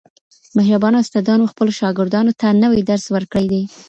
مهربانه استادانو خپلو شاګردانو ته نوی درس ورکړی دی.